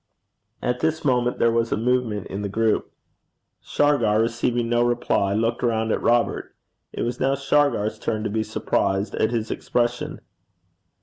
At this moment there was a movement in the group. Shargar, receiving no reply, looked round at Robert. It was now Shargar's turn to be surprised at his expression.